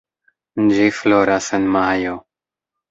Ĝi floras en majo.